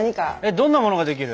どんなものができる？